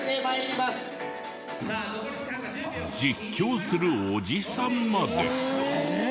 実況するおじさんまで。